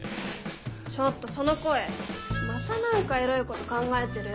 ちょっとその声また何かエロいこと考えてる？